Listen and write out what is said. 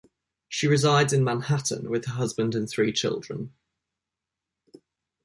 She resides in Manhattan with her husband and three children.